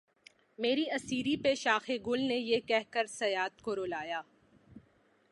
مری اسیری پہ شاخِ گل نے یہ کہہ کے صیاد کو رلایا